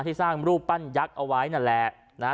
สร้างรูปปั้นยักษ์เอาไว้นั่นแหละนะฮะ